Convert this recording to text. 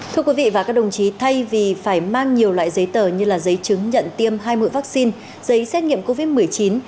thưa quý vị và các đồng chí thay vì phải mang nhiều loại giấy tờ như giấy chứng nhận tiêm hai mũi vaccine giấy xét nghiệm covid một mươi chín